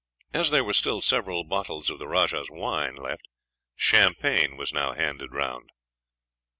As there were still several bottles of the rajah's wine left, champagne was now handed round.